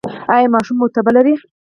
ایا ماشوم مو تبه لري؟